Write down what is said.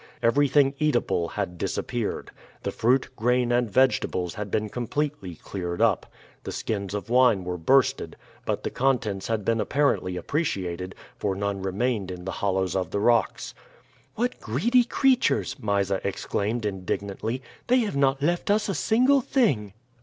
Everything eatable had disappeared. The fruit, grain, and vegetables had been completely cleared up. The skins of wine were bursted; but the contents had been apparently appreciated, for none remained in the hollows of the rocks. "What greedy creatures!" Mysa exclaimed indignantly; "they have not left us a single thing."